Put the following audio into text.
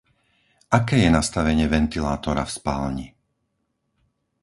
Aké je nastavenie ventilátora v spálni?